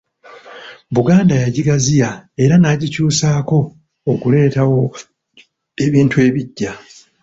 Buganda yagigaziya era n'agikyusaako okuleetawo ebintu ebiggya.